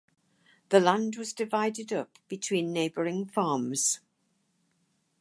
The land was divided up between neighbouring farms.